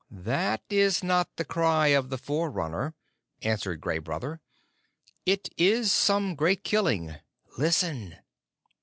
"That is not the cry of the Forerunner," answered Gray Brother. "It is some great killing. Listen!"